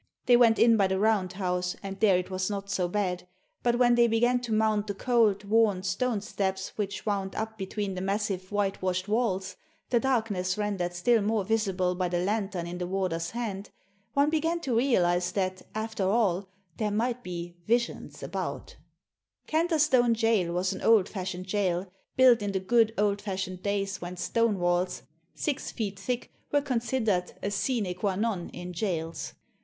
They went in by the round house, and there it was not so bad ; but when they began to mount the cold, worn, stone steps which wound up between the massive whitewashed walls, the darkness rendered still more visible by the lantern in the warder's hand, one began to realise that, after all, there might be "visions about." Digitized by VjOOQIC $6 THE SEEN AND THE UNSEEN Canterstone Jail was an old fashioned jail, built in the good old fashioned days when stone walls, six feet thick, were considered a sine qud non in jails.